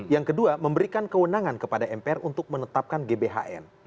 yang kedua memberikan kewenangan kepada mpr untuk menetapkan gbhn